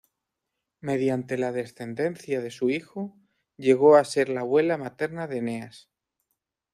Mediante la descendencia de su hijo, llegó a ser la abuela materna de Eneas.